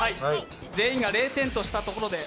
全員が０点としたところで。